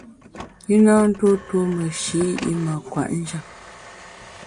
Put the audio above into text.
I na ntuo tuo meshi’ i mâ kwet njap.